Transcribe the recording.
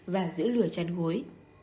và giữ lửa chăn gối